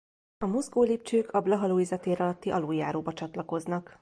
A mozgólépcsők a Blaha Lujza tér alatti aluljáróba csatlakoznak.